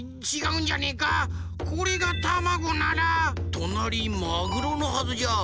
となりマグロのはずじゃ。